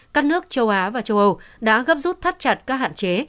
các nước châu á và châu âu đã gấp rút thắt chặt các hạn chế